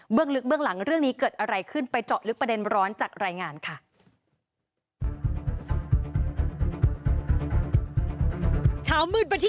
ลึกเบื้องหลังเรื่องนี้เกิดอะไรขึ้นไปเจาะลึกประเด็นร้อนจากรายงานค่ะ